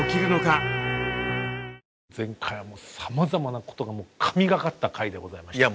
前回はさまざまなことが神がかった回でございました。